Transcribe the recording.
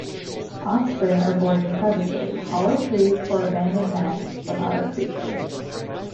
Offspring are born in crevices, hollow trees, or abandoned nests from other creatures.